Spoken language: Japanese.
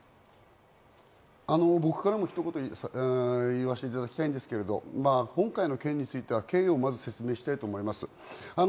僕からもひとこと言わせていただきたいんですけれど、今回の件については経緯をまず説明したいと思います。